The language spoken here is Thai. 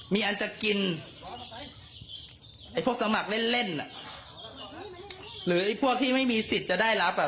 มีอันจะกินไอ้พวกสมัครเล่นเล่นหรือไอ้พวกที่ไม่มีสิทธิ์จะได้รับอ่ะ